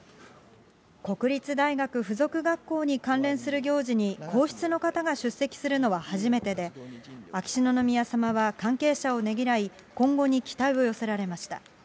国立大学附属学校に関連する行事に皇室の方が出席するのは初めてで、秋篠宮さまは関係者をねぎらい、今後に期待を寄せられました。